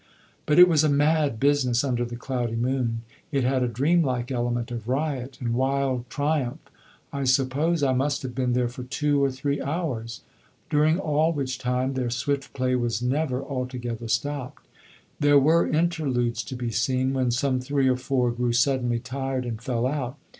But it was a mad business under the cloudy moon. It had a dream like element of riot and wild triumph. I suppose I must have been there for two or three hours, during all which time their swift play was never altogether stopped. There were interludes to be seen, when some three or four grew suddenly tired and fell out.